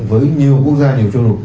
với nhiều quốc gia nhiều châu lục